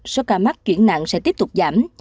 số ca mắc chuyển nạn sẽ tiếp tục giảm